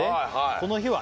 「この日は」